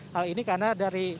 hal ini karena dari